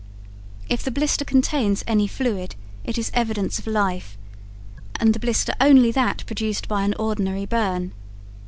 If the blister contains any fluid it is evidence of life, and the blister only that produced by an ordinary burn.